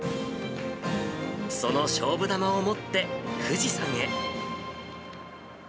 その勝負玉を持って富士山へ。